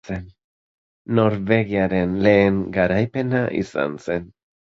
Norvegiaren lehen garaipena izan zen.